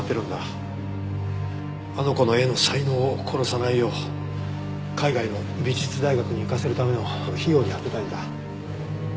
あの子の絵の才能を殺さないよう海外の美術大学に行かせるための費用に充てたいんだ。